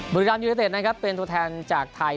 บุรกราบยูหิตเตชเป็นตัวแทนจากไทย